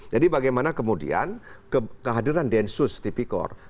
jadi bagaimana kemudian kehadiran densus tipikor